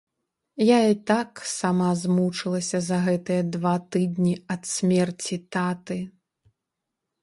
Я і так сама змучылася за гэтыя два тыдні ад смерці таты.